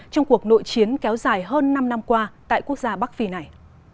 trong cuộc nội chiến kéo dài hơn năm năm qua tại quốc gia bắc phi này